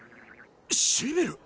シビル！